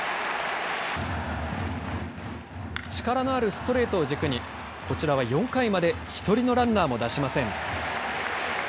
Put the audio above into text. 力のあるストレートを軸にこちらは４回まで１人のランナーも出しません。